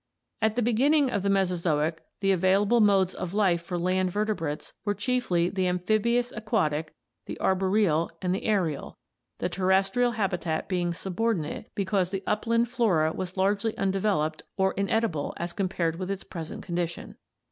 At the beginning of the Mesozoic the available modes of life for land vertebrates were chiefly the amphibious aquatic, the arboreal, and the aerial, the terrestrial habitat being subordinate because the up land flora was largely undeveloped or inedible as compared with its present condition.